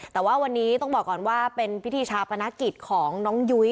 แต่ว่าวันนี้ต้องบอกก่อนว่าเป็นพิธีชาปนกิจของน้องยุ้ย